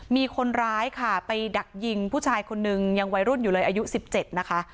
มีคนร้ายค่ะไปดักยิงผู้ชายคนนึงยังวัยรุ่นอยู่เลยอายุ๑๗นะคะ